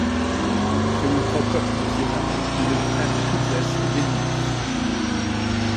Selon Procope de Césarée, il est le frère de Coutzès et Vénilus.